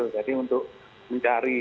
jadi untuk mencari